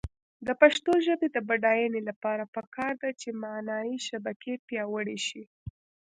د پښتو ژبې د بډاینې لپاره پکار ده چې معنايي شبکې پیاوړې شي.